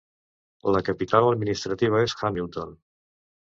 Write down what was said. La capital administrativa és Hamilton.